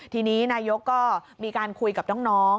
ทีนี้นายกก็มีการคุยกับน้อง